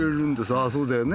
あぁそうだよね。